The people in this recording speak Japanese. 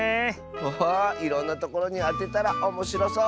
ハハーいろんなところにあてたらおもしろそう！